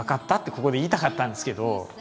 ここで言いたかったんですけど。